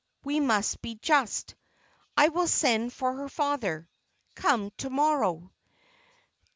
We must be just. I will send for her father. Come to morrow."